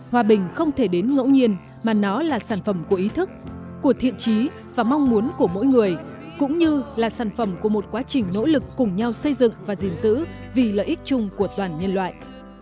hòa bình không thể đến ngẫu nhiên mà nó là sản phẩm của ý thức của thiện trí và mong muốn của mỗi người cũng như là sản phẩm của một quá trình nỗ lực cùng nhau xây dựng và gìn giữ vì lợi ích chung của toàn nhân loại